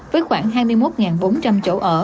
với khoảng hai mươi một bốn trăm linh chỗ ở